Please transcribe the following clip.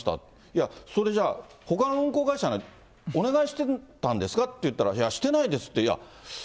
いや、それじゃあほかの運航会社にお願してたんですかって聞いたら、いや、してないですって。